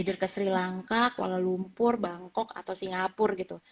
eith ke sri lanka kuala lumpur bangkok atau singapura gitu